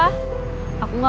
aku gak mau pacaran